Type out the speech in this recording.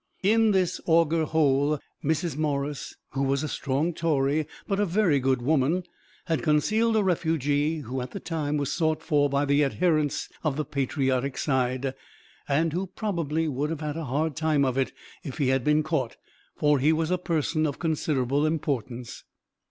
In this "Auger Hole," Mrs. Morris, who was a strong Tory, but a very good woman, had concealed a refugee who at the time was sought for by the adherents of the patriotic side, and who probably would have had a hard time of it if he had been caught, for he was a person of considerable importance.